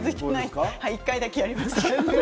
１回だけやりました。